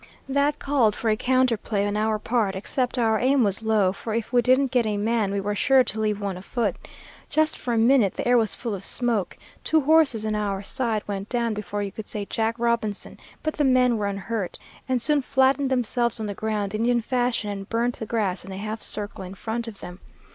"That called for a counter play on our part, except our aim was low, for if we didn't get a man, we were sure to leave one afoot. Just for a minute the air was full of smoke. Two horses on our side went down before you could say 'Jack Robinson,' but the men were unhurt, and soon flattened themselves on the ground Indian fashion, and burnt the grass in a half circle in front of them.